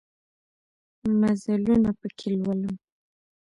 مزلونه پکښې لولم